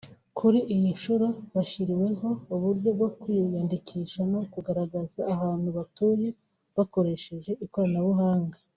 Kuri iyi nshuro bashyiriweho uburyo bwo kwiyandikisha no kugaragaza ahantu batuye bakoresheje ikoranabuhanga